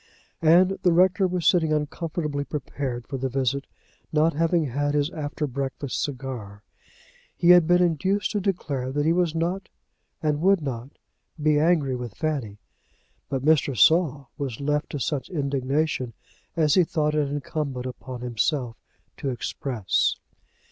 And the rector was sitting uncomfortably prepared for the visit, not having had his after breakfast cigar. He had been induced to declare that he was not, and would not be, angry with Fanny; but Mr. Saul was left to such indignation as he thought it incumbent on himself to express.